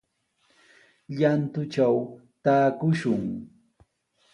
Llantutraw taakushun.